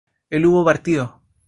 él hubo partido